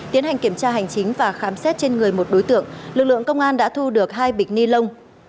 tiến hành kiểm tra hành chính và khám xét trên người một đối tượng lực lượng công an đã thu được hai bịch ni lông